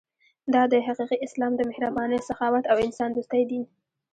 دا دی حقیقي اسلام د مهربانۍ، سخاوت او انسان دوستۍ دین.